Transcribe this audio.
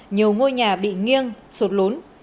nhiều ngôi nhà bị nghiêng sụt lún